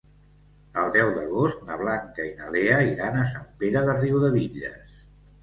El deu d'agost na Blanca i na Lea iran a Sant Pere de Riudebitlles.